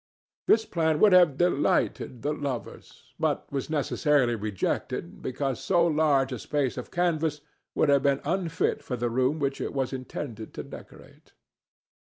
This plan would have delighted the lovers, but was necessarily rejected because so large a space of canvas would have been unfit for the room which it was intended to decorate.